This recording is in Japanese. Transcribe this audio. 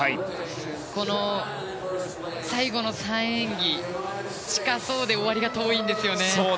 この最後の３演技近そうで終わりが遠いんです。